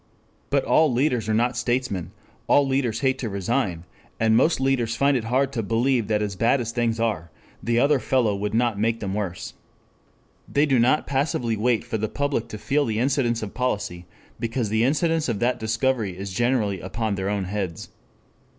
But all leaders are not statesmen, all leaders hate to resign, and most leaders find it hard to believe that bad as things are, the other fellow would not make them worse. They do not passively wait for the public to feel the incidence of policy, because the incidence of that discovery is generally upon their own heads.